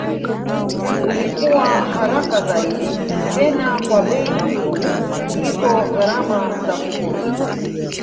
Ulikuwa haraka zaidi tena kwa bei nafuu kuliko gharama za kukodi